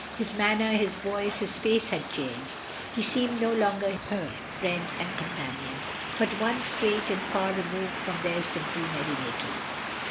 His manner, his voice, his face had changed, he seemed no longer her friend and companion, but one strange and far removed from their simple merry making.